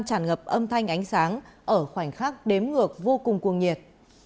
tràn ngập âm thanh ánh sáng ở khoảnh khắc đếm ngược vô cùng cuồng nhiệt